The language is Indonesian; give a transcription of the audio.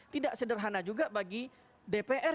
tidak sederhana juga bagi dpr